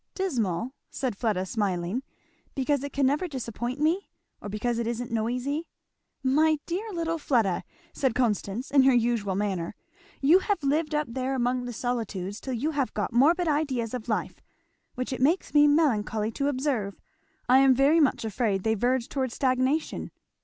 "Dismal!" said Fleda smiling, "because it can never disappoint me? or because it isn't noisy?" "My dear little Fleda!" said Constance in her usual manner, "you have lived up there among the solitudes till you have got morbid ideas of life which it makes me melancholy to observe. I am very much afraid they verge towards stagnation."